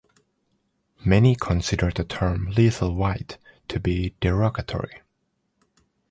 Many consider the term "lethal white" to be derogatory.